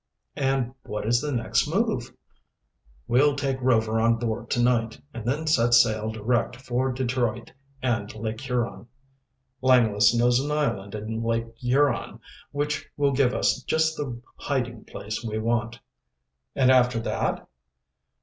"And what is the next move?" "We'll take Rover on board to night, and then set sail direct for Detroit and Lake Huron. Langless knows an island in Lake Huron which will give us just the hiding place we want." "And after that?"